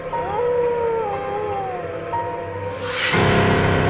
kakak diharuskan begitu saja